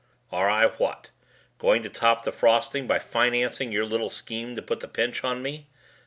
"Are I what? Going to top the frosting by financing your little scheme to put the pinch on me?"